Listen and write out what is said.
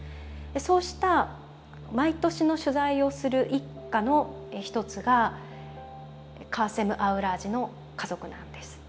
そうした毎年の取材をする一家の一つがカーセム・アウラージの家族なんです。